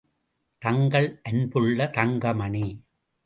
தங்கள் அன்புள்ள, தங்கமணி.